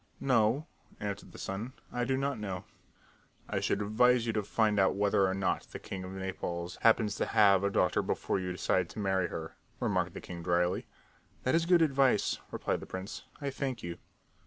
"No," answered the son. "I do not know." "I should advise you to find out whether or not the king of Naples happens to have a daughter before you decide to marry her," remarked the king dryly. "That is good advice," replied the prince. "I thank you."